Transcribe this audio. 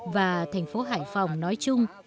và thành phố hải phòng nói chung